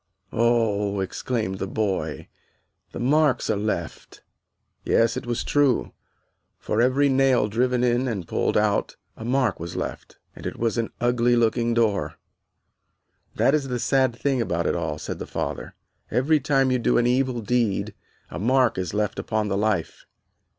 "Oh," exclaimed the boy, "the marks are left." Yes, it was true, for every nail driven in and pulled out a mark was left, and it was an ugly looking door. "That is the sad thing about it all," said the father, "every time you do an evil deed a mark is left upon the life.